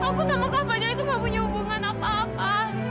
aku sama kak fadil itu nggak punya hubungan apa apa